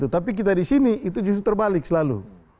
tapi kita di sini itu justru terbalik selalu